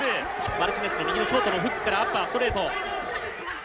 「マルチネスの右のショートのフックからアッパーストレート」。